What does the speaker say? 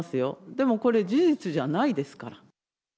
でもこれ、事実じゃないですから。